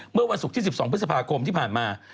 เมื่อวันศุกร์ที่๑๒พฤษภาคมที่ผ่านมา